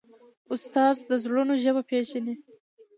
استاد د زړونو ژبه پېژني.